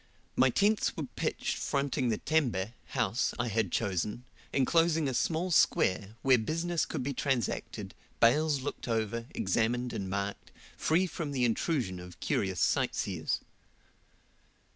My tents were pitched fronting the tembe (house) I had chosen, enclosing a small square, where business could be transacted, bales looked over, examined, and marked, free from the intrusion of curious sightseers.